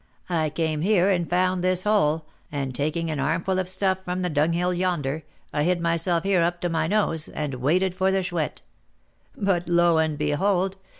I came here and found this hole, and, taking an armful of stuff from the dunghill yonder, I hid myself here up to my nose, and waited for the Chouette. But, lo and behold!